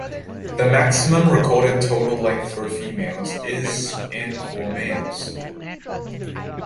The maximum recorded total length for females is and for males.